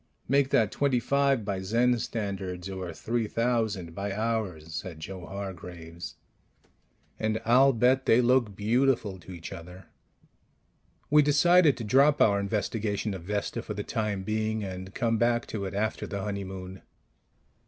"Make that twenty five by Zen standards or three thousand by ours," said Joe Hargraves, "and I'll bet they look beautiful to each other." We decided to drop our investigation of Vesta for the time being, and come back to it after the honeymoon.